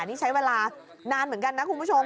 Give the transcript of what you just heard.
นี่ใช้เวลานานเหมือนกันนะคุณผู้ชม